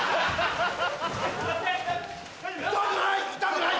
痛くない！